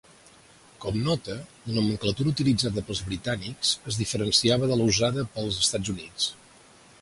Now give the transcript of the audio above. Com nota, la nomenclatura utilitzada pels britànics es diferenciava de la usada pels Estats Units.